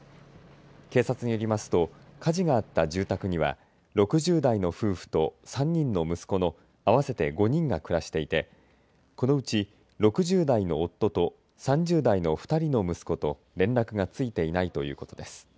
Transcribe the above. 警察によりますと火事があった住宅には６０代の夫婦と３人の息子の合わせて５人が暮らしていてこのうち、６０代の夫と３０代の２人の息子と連絡がついていないということです。